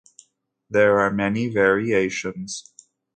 There are many variations.